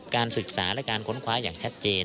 การศึกษาและการค้นคว้าอย่างชัดเจน